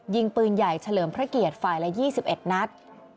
ยิงปืนใหญ่เฉลิมพระเกียรติฝ่ายละ๒๑นัด